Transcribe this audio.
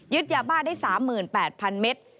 ยาบ้าได้๓๘๐๐๐เมตร